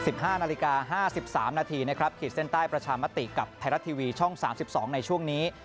๑๕นาฬิกา๕๓นาทีขีดเส้นใต้ประชามติกับไทยรัฐทีวีช่อง๓๒ในช่วงนี้